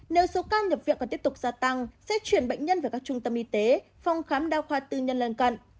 nếu số ca nhập viện còn tiếp tục gia tăng sẽ chuyển bệnh nhân về các trung tâm y tế phòng khám đa khoa tư nhân lân cận